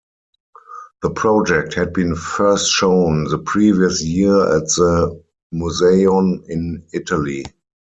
The project had been first shown the previous year at the Museion in Italy.